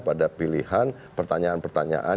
pada pilihan pertanyaan pertanyaan